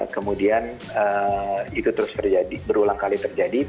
kemudian itu terus berulang kali terjadi